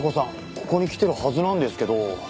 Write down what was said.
ここに来てるはずなんですけど。